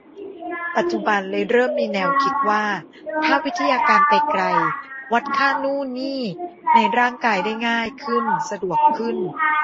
ปัจจุบันเลยเริ่มมีแนวคิดว่าถ้าวิทยาการไปไกล วัดค่านู่นนี่ในร่างกายได้ง่ายขึ้นสะดวกขึ้น